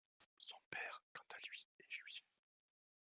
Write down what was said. Son père, quant à lui, est juif.